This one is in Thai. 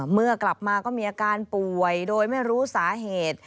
เมื่อกลับมาก็มีอาการป่วยโดยไม่รู้สาเหตุ